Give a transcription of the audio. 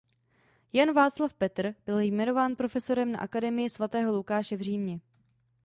Jan Václav Peter byl jmenován profesorem na Akademii svatého Lukáše v Římě.